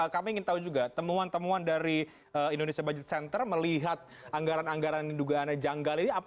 kami ingin tahu juga temuan temuan dari indonesia budget center melihat anggaran anggaran yang dugaannya janggal ini